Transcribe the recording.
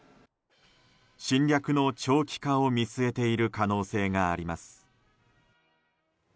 侵略の長期化を見据えている可能性があります。